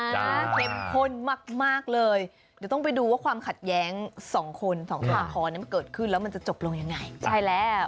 เข็มข้นมากเลยเดี๋ยวต้องไปดูว่าความขัดแย้ง๒คน๒ทางพลาดนั้นเกิดขึ้นแล้วมันจะจบลงอย่างไร